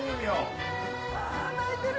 あぁ泣いてる。